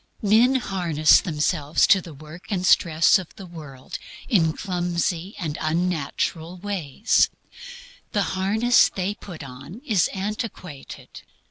Men harness themselves to the work and stress of the world in clumsy and unnatural ways. The harness they put on is antiquated.